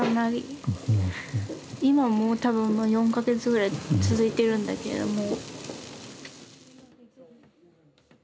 ほんとにもう今も多分４か月ぐらい続いてるんだけども。